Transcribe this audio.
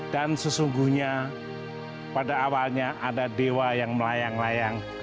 dan sesungguhnya pada awalnya ada dewa yang melayang layang